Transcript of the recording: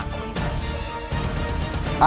aku harus melakukan ini